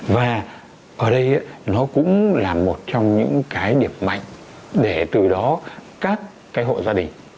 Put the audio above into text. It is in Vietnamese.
và ở đây nó cũng là một trong những cái điểm mạnh để từ đó các cái hộ gia đình